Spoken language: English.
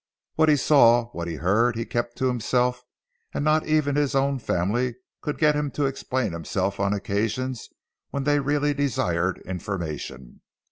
What he saw, what he heard, he kept to himself, and not even his own family could get him to explain himself on occasions when they really desired information.